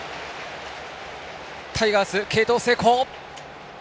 タイガース、継投成功。